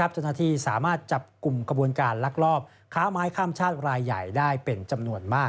เจ้าหน้าที่สามารถจับกลุ่มขบวนการลักลอบค้าไม้ข้ามชาติรายใหญ่ได้เป็นจำนวนมาก